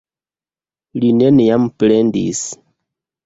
Li neniam plendis.